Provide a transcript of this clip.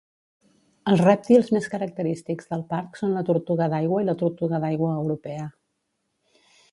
Els rèptils més característics del parc són la tortuga d'aigua i la tortuga d'aigua europea.